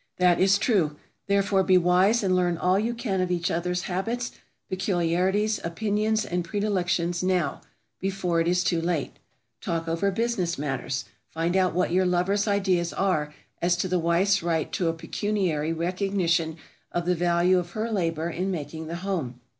That is true; therefore be wise and learn all you can of each other's habits, peculiarities, opinions, and predilections now, before it is too late. Talk over business matters. Find out what your lover's ideas are as to the wife's right to a pecuniary recognition of the value of her labor in making the home.